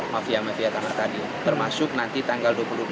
mafia mafia tanah tadi termasuk nanti tanggal dua puluh dua